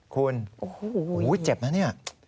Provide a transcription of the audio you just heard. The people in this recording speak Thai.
คุณโอ้โหเจ็บนะเนี่ย